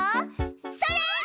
それ！